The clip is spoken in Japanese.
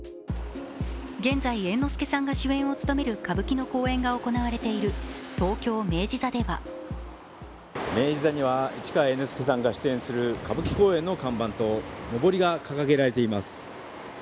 現在、猿之助さんが主演を務める歌舞伎の公演が行われている東京・明治座では明治座では市川猿之助さんが出演する歌舞伎公演の看板とのぼりが掲げられています。